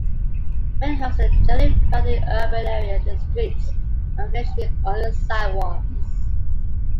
Manholes are generally found in urban areas, in streets and occasionally under sidewalks.